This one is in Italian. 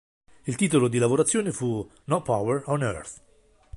Il titolo di lavorazione fu "No Power on Earth".